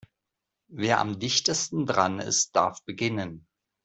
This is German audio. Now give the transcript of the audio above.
Wer am dichtesten dran ist, darf beginnen.